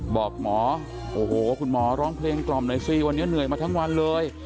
บอกหมอโอ้โหคุณหมอร้องเพลงกล่อมหน่อยสิวันนี้เหนื่อยมาทั้งวันเลย